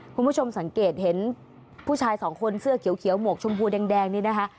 คุณผู้ชมสังเกตเห็นผู้ชายสองคนเสื้อเขียวหมวกชมพูแดงนี่นะคะ